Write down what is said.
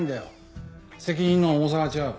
責任の重さが違う。